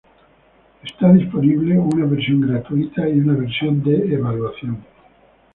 Está disponible una versión gratuita y una versión de evaluación.